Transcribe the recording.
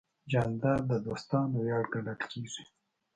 جانداد د دوستانو ویاړ ګڼل کېږي.